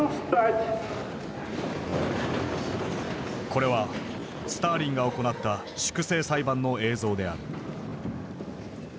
これはスターリンが行った粛清裁判の映像である。